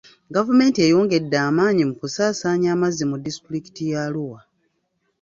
Gavumenti eyongedde amaanyi mu kusaasaanya amazzi mu disitulikiti ya Arua.